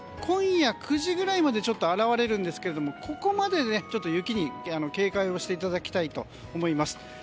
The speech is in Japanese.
今夜９時ぐらいまではちょっと現れるんですがここまで雪に警戒をしていただきたいと思います。